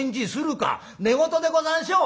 「寝言でござんしょう」。